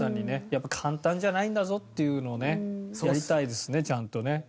やっぱ簡単じゃないんだぞっていうのをねやりたいですねちゃんとね。